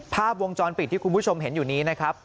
ภาพวงจรปิดที่คุณผู้ชมเห็นอยู่นี้นะครับ